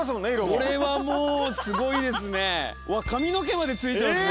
これはもうすごいですね。